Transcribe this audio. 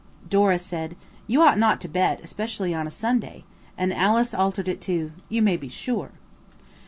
Dora said, "You ought not to bet, especially on Sunday," and Alice altered it to "You may be sure."